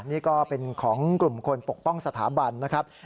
นี่ก็เป็นของกลุ่มคนปกป้องสถาบันนะครับ